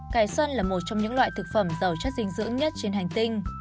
cải xuân là một trong những loại thực phẩm giàu chất dinh dưỡng nhất trên hành tinh